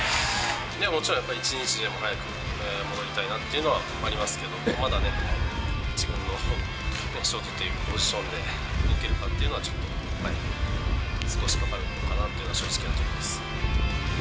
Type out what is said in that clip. もちろんやっぱり、一日でも早く戻りたいなっていうのはありますけど、まだね、１軍のショートというポジションで動けるかっていうのはちょっと、まだ少しかかるのかなっていうのが正直なところです。